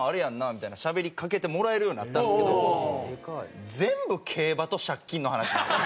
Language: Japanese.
みたいなしゃべりかけてもらえるようになったんですけど全部競馬と借金の話なんですよ。